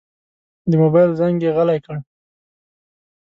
د موبایل زنګ یې غلی کړ.